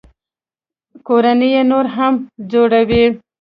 کورنۍ یې نور هم ځوروي